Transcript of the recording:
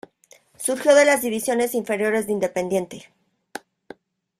Surgió de las divisiones inferiores de Independiente.